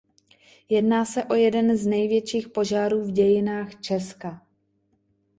Jedná se o jeden z největších požárů v dějinách Česka.